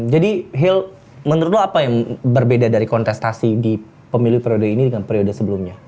jadi hil menurut lo apa yang berbeda dari kontestasi di pemilih periode ini dengan periode sebelumnya